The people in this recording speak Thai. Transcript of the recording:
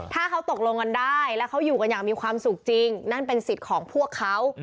ถ้าเขาตกลงกันได้แล้วเขาอยู่กันอย่างมีความสุขจริงนั่นเป็นสิทธิ์ของพวกเขา